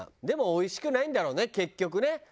でもおいしくないんだろうね結局ね。